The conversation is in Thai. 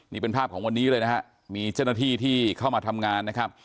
นี่เป็นภาพของวันนี้เลยนะฮะมีเจ้าหน้าที่ที่เข้ามาทำงานนะครับ